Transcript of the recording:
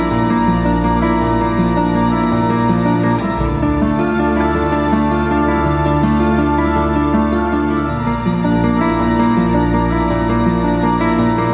sekali lagi siapa